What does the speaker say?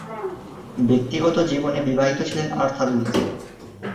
ব্যক্তিগত জীবনে বিবাহিত ছিলেন আর্থার উড।